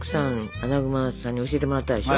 アナグマさんに教えてもらったでしょ。